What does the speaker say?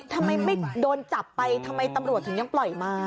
ทำไมไม่โดนจับไปทำไมตำรวจถึงยังปล่อยมา